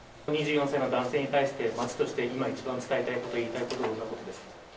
２４歳の男性に対して、町として、今一番伝えたいこと、言いたいことはどんなことですか？